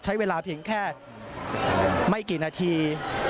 ใช้เวลาเพียงแค่ไม่กี่นาที